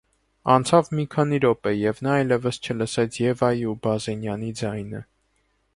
Անցավ մի քանի րոպե, և նա այլևս չլսեց Եվայի ու Բազենյանի ձայնը: